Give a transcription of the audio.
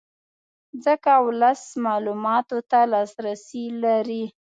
ځکه ولس معلوماتو ته لاسرې لري